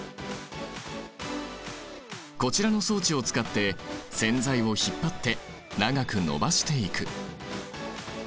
こちらの装置を使って線材を引っ張って長く延ばしていく。